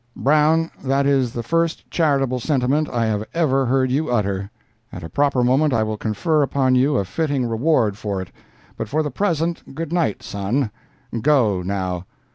"Brown, that is the first charitable sentiment I have ever heard you utter. At a proper moment I will confer upon you a fitting reward for it. But for the present, good night, son. Go, now.